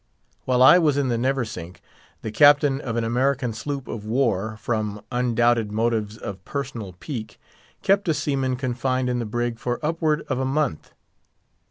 While I was in the Neversink, the Captain of an American sloop of war, from undoubted motives of personal pique, kept a seaman confined in the brig for upward of a month.